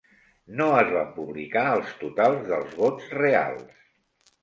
No es van publicar els totals dels vots reals.